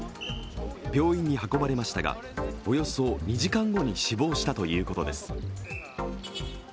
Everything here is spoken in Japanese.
病院に運ばれましたが、およそ２時間後に死亡したということです。